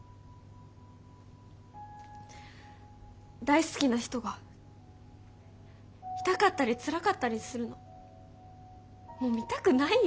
大好きな人が痛かったりつらかったりするのもう見たくないよ。